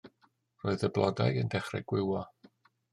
Roedd y blodau yn dechrau gwywo.